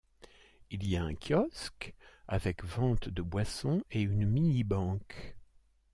Il y a un kiosque avec vente de boisson et une mini-banque.